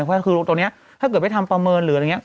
เพราะคือตรงนี้ถ้าเกิดไม่ทำประเมินหรืออะไรอย่างนี้